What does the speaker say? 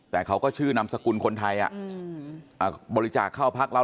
แต่เขาก็ชื่อนามสกุลคนไทยบริจาคเข้าพักเรา